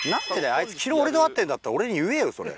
あいつ昨日俺と会ってんだったら俺に言えよそれ。